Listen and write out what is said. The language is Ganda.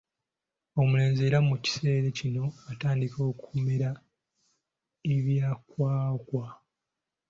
Omulenzi era mu kiseera kino atandika okumera eby'enkwawa.